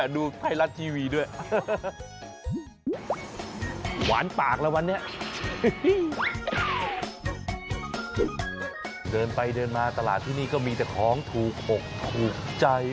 เดินไปเดินมาตลาดที่นี่ก็มีแต่ของถูกอกถูกใจ